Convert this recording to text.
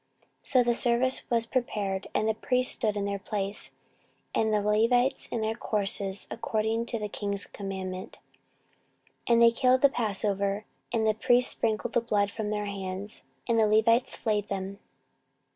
14:035:010 So the service was prepared, and the priests stood in their place, and the Levites in their courses, according to the king's commandment. 14:035:011 And they killed the passover, and the priests sprinkled the blood from their hands, and the Levites flayed them.